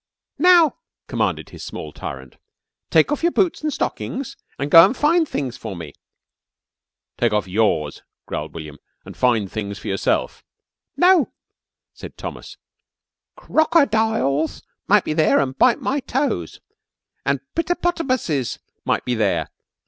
"Now," commanded his small tyrant, "take off your boots an' stockings an' go an' find things for me." "Take off yours," growled William, "an' find things for yourself." "No," said Thomas, "crockerdiles might be there an' bite my toes. An pittanopotamuses might be there.